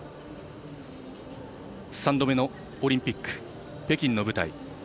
３度目のオリンピック北京の舞台。